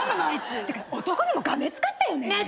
あいつ。ってか男にもがめつかったよね。